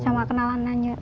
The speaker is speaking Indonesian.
sama kenalan dari bu novi juga